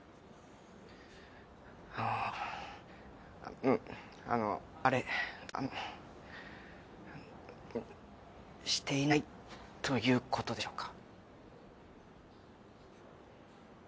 あのあっあのあれあのうっしていないということでしょうか？